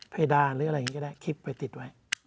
เผยดานลึงอะไรอย่างนี้ก็ได้คลิปเอาไว้ติดไว้